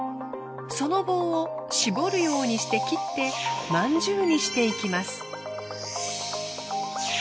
その棒を絞るようにして切ってまんじゅうにしていきます。